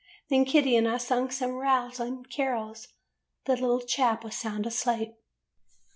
Then Kitty and I sung some rousing carols. The little chap was sound asleep.